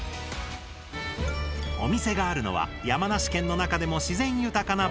お店があるのは山梨県の中でも自然豊かな場所奈良田！